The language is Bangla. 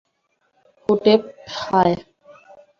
হোটেপ, হায়।